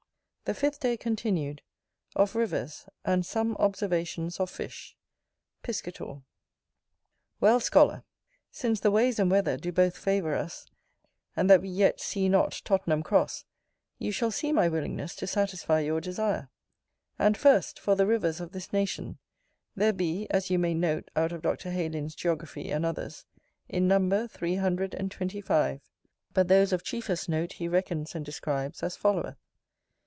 The FIFTH day continued Of Rivers, and some Observations of Fish Chapter XIX Piscator WELL, scholar, since the ways and weather do both favour us, and that we yet see not Tottenham Cross, you shall see my willingness to satisfy your desire. And, first, for the rivers of this nation: there be, as you may note out of Dr. Heylin's Geography and others, in number three hundred and twenty five; but those of chiefest note he reckons and describes as followeth.